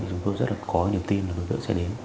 thì chúng tôi rất là có niềm tin là nó sẽ đến